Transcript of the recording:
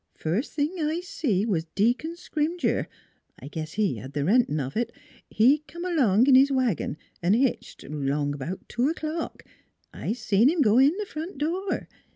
" First thing I see was Deacon Scrimger I guess he had th' rentin' of it he come along in his wagon an' hitched, 'long about two o'clock. I seen him go in th' front door.